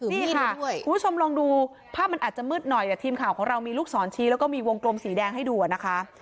คุณผู้ชมลองดูภาพมันอาจจะมืดหน่อยแต่ทีมข่าวของเรามีลูกศรชี้แล้วก็มีวงกลมสีแดงให้ดูนะคะ